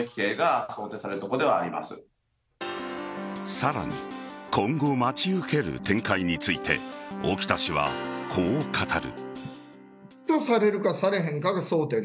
さらに今後、待ち受ける展開について沖田氏は、こう語る。